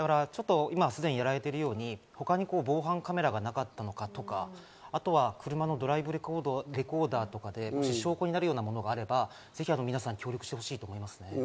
すでにやられているように他に防犯カメラがなかったのかとか、車のドライブレコーダーとかで、もし証拠になるようなものがあれば、ぜひ皆さん協力してほしいと思いますね。